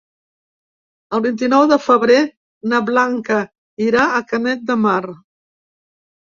El vint-i-nou de febrer na Blanca irà a Canet de Mar.